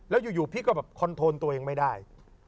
แล้วอยู่พี่ก็แบบคอนโทนตัวเองไม่ได้